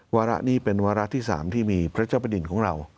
วาระนี้เป็นวาระที่๓ที่มีพระเจ้าประดินของเรา